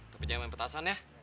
tapi jangan main petasan ya